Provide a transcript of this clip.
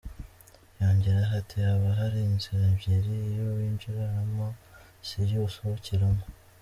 Yongeraho ati “haba hari inzira ebyiri, iyo winjiraramo si yo usohokeramo.